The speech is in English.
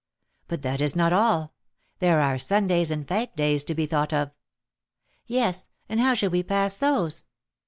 "But that is not all. There are Sundays and fête days to be thought of." "Yes; and how should we pass those?"